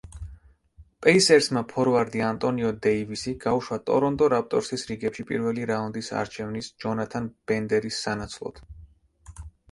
პეისერსმა ფორვარდი ანტონიო დეივისი გაუშვა ტორონტო რაპტორსის რიგებში პირველი რაუნდის არჩევნის ჯონათან ბენდერის სანაცვლოდ.